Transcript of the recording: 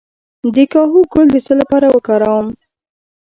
د کاهو ګل د څه لپاره وکاروم؟